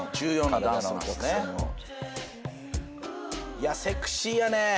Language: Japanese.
いやセクシーやね。